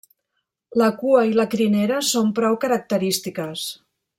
La cua i la crinera són prou característiques.